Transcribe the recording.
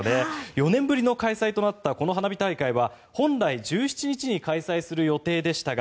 ４年ぶりの開催となったこの花火大会は本来１７日に開催する予定でしたが